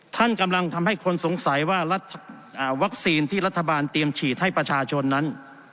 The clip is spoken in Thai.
ท่านกำลังทำให้คนสงสัยว่ารัฐวัคซีนที่รัฐบาลเตรียมฉีดให้ประชาชนนั้น